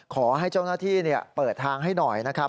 ขอให้เจ้าหน้าที่เปิดทางให้หน่อยนะครับ